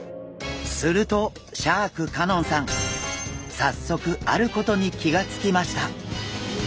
するとシャーク香音さん早速あることに気が付きました。